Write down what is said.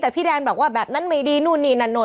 แต่พี่แดนบอกว่าแบบนั้นไม่ดีนู่นนี่นั่นนู่น